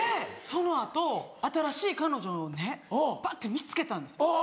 その後新しい彼女ねぱって見つけたんですよ。